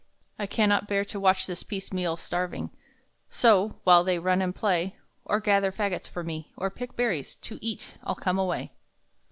"I cannot bear to watch this piece meal starving, So, while they run and play, Or gather fagots for me, or pick berries To eat, I'll come away!"